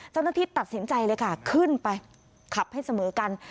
เจ้าหน้าที่ตัดสินใจเลยค่ะขึ้นไปขับให้เสมอกัน